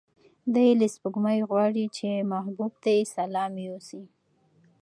دی له سپوږمۍ غواړي چې محبوب ته یې سلام یوسي.